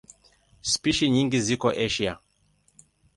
Spishi nyingi ziko Asia.